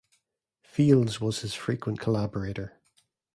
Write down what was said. Fields was his frequent collaborator.